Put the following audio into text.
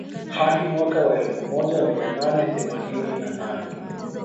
Hadi mwaka wa elfu moja mia nane themanini na nane